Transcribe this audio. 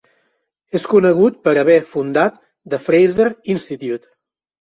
És conegut per haver fundat The Fraser Institute.